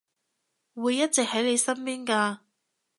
會一直喺你身邊㗎